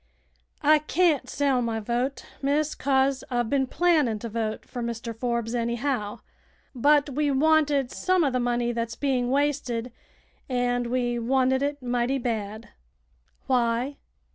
I can't sell my vote, miss, 'cause I've been plannin' t'vote fer Mr. Forbes anyhow. But we wanted some uv th' money that's being wasted, an' we wanted it mighty bad." "Why?"